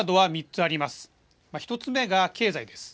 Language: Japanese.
１つ目が経済です。